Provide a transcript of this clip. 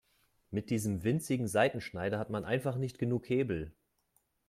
Mit diesem winzigen Seitenschneider hat man einfach nicht genug Hebel.